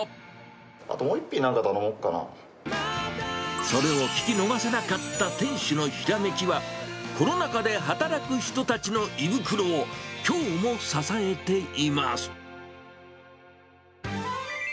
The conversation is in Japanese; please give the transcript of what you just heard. あともう１品、それを聞き逃さなかった店主のひらめきは、コロナ禍で働く人たちの胃袋をきょうも支えています。